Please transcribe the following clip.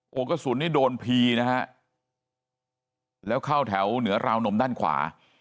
โอ้โหกระสุนนี่โดนพีนะฮะแล้วเข้าแถวเหนือราวนมด้านขวา